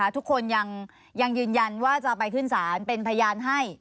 ทุกคนยังยืนยันว่าจะไปขึ้นศาลเป็นพยานให้